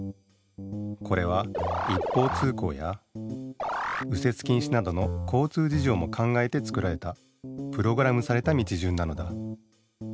これは一方通行や右折禁止などの交通じじょうも考えて作られたプログラムされた道順なのだ。